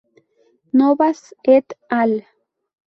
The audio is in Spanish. Novas "et al.